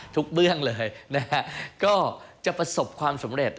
เบื้องเลยนะฮะก็จะประสบความสำเร็จ